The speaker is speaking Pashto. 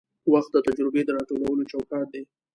وخت د تجربې د راټولولو چوکاټ دی.